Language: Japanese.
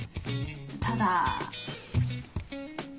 ただ。